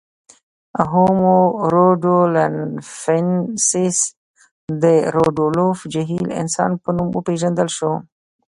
هومو رودولفنسیس د رودولف جهیل انسان په نوم وپېژندل شو.